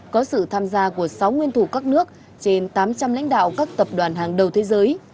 có sự tham gia của sáu nguyên thủ các nước trên tám trăm linh lãnh đạo các tập đoàn hàng đầu thế giới